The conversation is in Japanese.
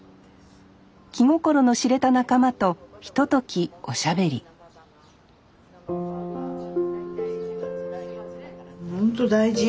気心の知れた仲間とひとときおしゃべりほんと大事。